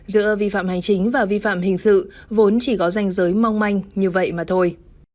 giữa vi phạm hành chính và vi phạm hình sự vốn chỉ có danh giới mong manh như vậy mà thôi